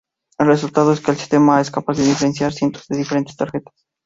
El resultado es que el sistema es capaz de diferenciar cientos de diferentes tarjetas.